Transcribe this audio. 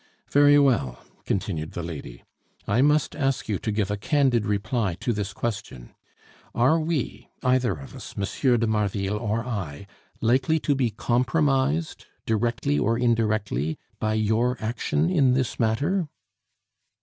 "Very well," continued the lady, "I must ask you to give a candid reply to this question: Are we, either of us, M. de Marville or I, likely to be compromised, directly or indirectly, by your action in this matter?"